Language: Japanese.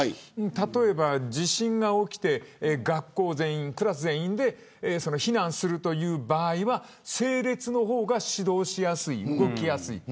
例えば地震が起きて学校全員、クラス全員で避難する場合は、整列の方が指導しやすい、動きやすい。